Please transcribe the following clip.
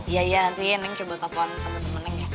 iya iya nanti neng coba telepon temen temen neng ya